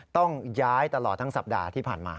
ต้องย้ายตลอดทั้งสัปดาห์ที่ผ่านมา